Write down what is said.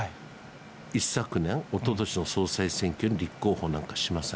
一昨年、おととしの総裁選挙に立候補なんかしません。